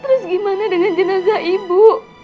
terus gimana dengan jenazah ibu